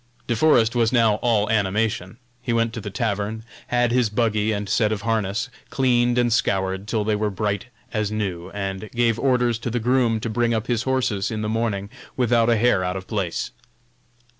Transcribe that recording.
De Forest was now all animation. He went to the tavern, had his buggy and set of harness cleaned and scoured till they were bright as new, and gave orders to the groom to bring up his horses in the morning without a hair out of place.